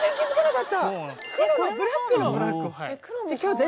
黒のブラックの。